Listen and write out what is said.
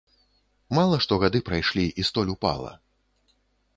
Мала што гады прайшлі і столь упала.